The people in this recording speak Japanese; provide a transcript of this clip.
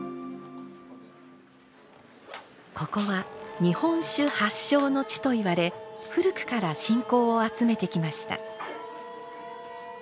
ここは日本酒発祥の地といわれ古くから信仰を集めてきました。